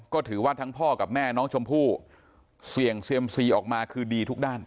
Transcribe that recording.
ก็ถือว่าทั้งพ่อกับแม่น้องชมพู่เสี่ยงเซียมซีออกมาคือดีทุกด้าน